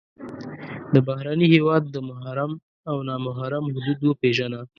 د بهرني هېواد د محرم او نا محرم حدود وپېژنه.